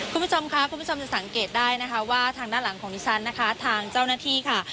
คุณผู้ชมค่ะคุณผู้ชมจะสังเกตได้นะคะว่าทางด้านหลังของดิฉันนะคะทางเจ้าหน้าที่ค่ะ